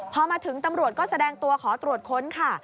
พอมาถึงตำรวจก็แสดงตัวขอตรวจค้นค่ะ